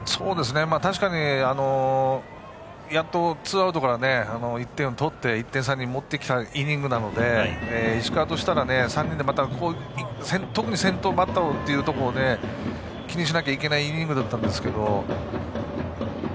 確かにやっとツーアウトから１点を取って１点差に持ってきたイニングなので、石川としたら特に先頭バッターをというところで気にしなきゃいけないイニングでしたね。